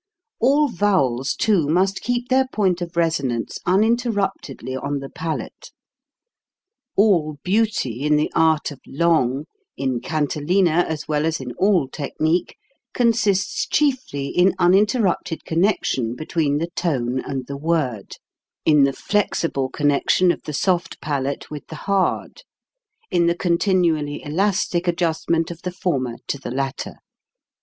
All vowels, too, must keep their point of resonance uninterruptedly on the palate. All beauty in the art of long, in cantilena as well as in all technique, consists chiefly in uninterrupted connection between the tone and the word, in the flexible connection of the soft palate with the hard, in the continually elastic adjustment of the former to the latter.